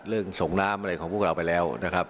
ส่งน้ำอะไรของพวกเราไปแล้วนะครับ